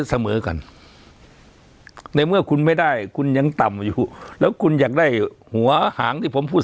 เสมอกันในเมื่อคุณไม่ได้คุณยังต่ำอยู่แล้วคุณอยากได้หัวหางที่ผมพูด